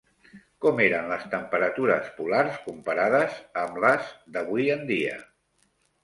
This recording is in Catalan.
Com eren les temperatures polars comparades amb les d'avui en dia?